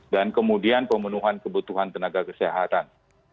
dan kemudian pemenuhan kebutuhan tenaga kesehatan